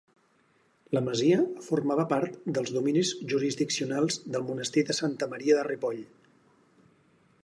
La masia formava part dels dominis jurisdiccionals del monestir de Santa Maria de Ripoll.